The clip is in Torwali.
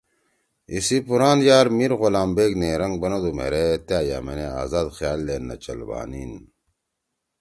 ایِسی پُوران یار میر غلام بیک نیرنگ بنَدُو مھیرے تأ یأمینے آزاد خیال دے نہ چل بھانیِن